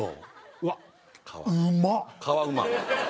うわっ皮ウマ皮うまい？